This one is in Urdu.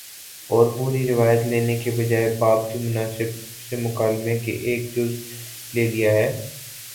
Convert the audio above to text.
اور پوری روایت لینے کے بجائے باب کی مناسبت سے مکالمے کا ایک جز لے لیا ہے